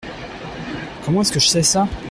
Comment est-ce que je sais ça ?